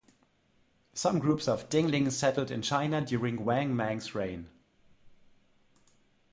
Some groups of Dingling settled in China during Wang Mang's reign.